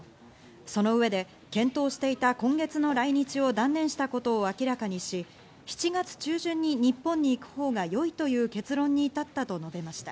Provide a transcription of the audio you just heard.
その上で検討していた今月の来日を断念したことを明らかにし、７月中旬に日本に行くほうが良いという結論に至ったと述べました。